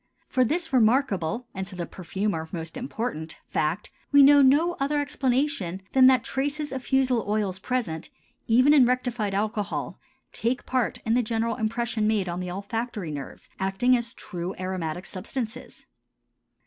For this remarkable and to the perfumer most important fact we know no other explanation than that traces of fusel oils present even in rectified alcohol take part in the general impression made on the olfactory nerves, acting as true aromatic substances.